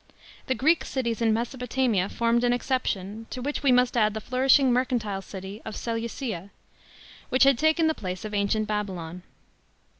The Greek cities in Mesopotamia formed an exception, to which we must add the flourishing mercantile city of Seleucia, which had taken the place of ancient Babylon.